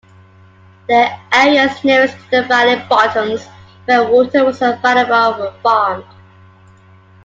The areas nearest to the valley bottoms, where water was available, were farmed.